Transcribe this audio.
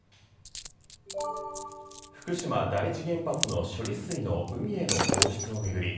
福島第一原発の処理水の海への放出を巡り